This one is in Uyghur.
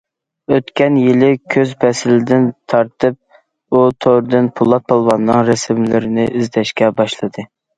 ئۆتكەن يىلى كۈز پەسلىدىن تارتىپ ئۇ توردىن پولات پالۋاننىڭ رەسىملىرىنى ئىزدەشكە باشلىدى.